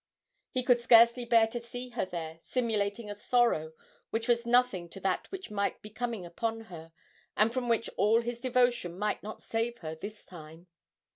He could scarcely bear to see her there simulating a sorrow which was nothing to that which might be coming upon her, and from which all his devotion might not save her this time.